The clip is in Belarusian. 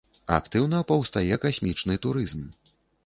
Актыўна паўстае касмічны турызм.